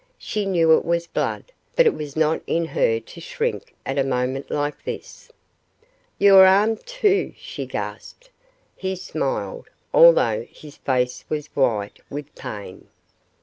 She knew it was blood, but it was not in her to shrink at a moment like this. "Your arm, too!" she gasped. He smiled, although his face was white with pain.